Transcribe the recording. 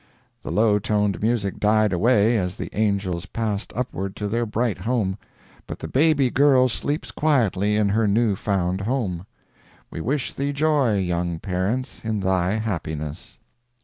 The low toned music died away as the angels passed upward to their bright home; but the baby girl sleeps quietly in her new found home. We wish thee joy, young parents, in thy happiness.